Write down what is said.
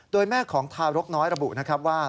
โดยแม่ของทารกน้อยระบุนะครับว่า